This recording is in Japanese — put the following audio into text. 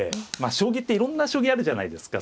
将棋っていろんな将棋あるじゃないですか。